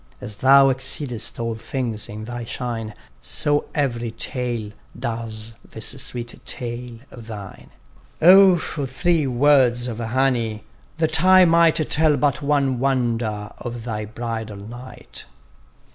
As thou exceedest all things in thy shine, So every tale, does this sweet tale of thine. O for three words of honey, that I might Tell but one wonder of thy bridal night!